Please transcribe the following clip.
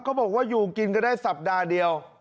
เขาบอกว่าอยู่กินกันได้สัปดาห์เดียว